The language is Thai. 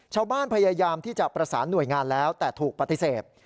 พยายามที่จะประสานหน่วยงานแล้วแต่ถูกปฏิเสธ